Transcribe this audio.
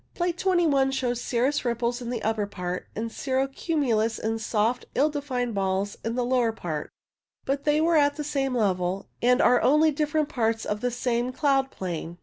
Plate 2 1 shows cirrus ripples in the upper part, and cirro cumulus in soft, ill defined balls in the lower part ; but they were at the same level, and are only different parts of the same cloud plane.